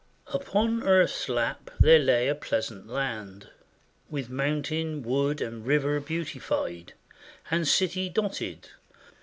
] Upon Earth's lap there lay a pleasant land, With mountain, wood, and river beautified, And city dotted.